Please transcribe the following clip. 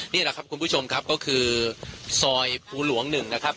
นี่แหละครับคุณผู้ชมครับก็คือซอยภูหลวง๑นะครับ